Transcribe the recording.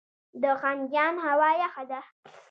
د خنجان هوا یخه ده